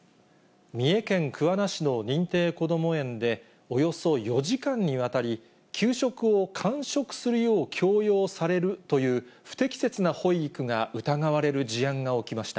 三重県桑名市の認定こども園で、およそ４時間にわたり、給食を完食するよう強要されるという不適切な保育が疑われる事案が起きました。